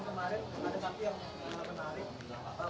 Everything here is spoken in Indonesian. ada satu yang menarik